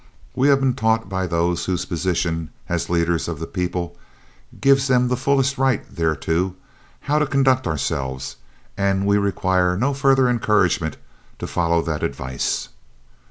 We have been taught by those whose position, as leaders of the people, gives them the fullest right thereto, how to conduct ourselves, and we require no further encouragement to follow that advice."